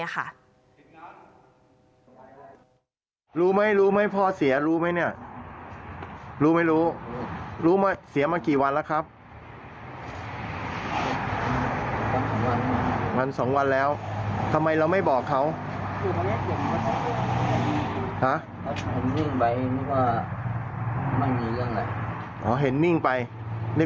เห็นนิ่งไปนึกว่าไม่มีเรื่องอะไร